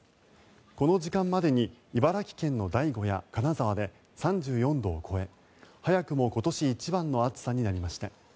この時間までに茨城県の大子や金沢で３４度を超え早くも今年一番の暑さになりました。